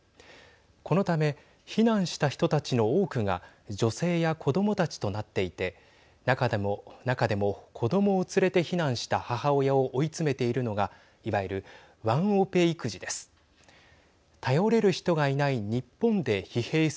このため避難した人たちの多くが女性や子どもたちとなっていて中でも、子どもを連れて避難した母親を追い詰めているのがいわゆるワンオペ育児です。